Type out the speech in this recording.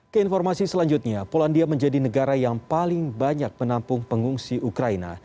keinformasi selanjutnya polandia menjadi negara yang paling banyak menampung pengungsi ukraina